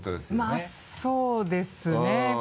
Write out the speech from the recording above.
まぁそうですね。